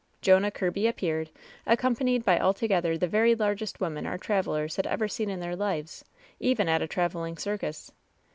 Jonah Kirby appeared, accompanied by altogether the very largest woman our travelers had ever seen in their lives, even at a traveling circus.